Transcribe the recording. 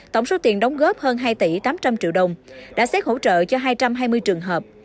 tổng số tiền đóng góp hơn hai tỷ tám trăm linh triệu đồng đã xét hỗ trợ cho hai trăm hai mươi trường hợp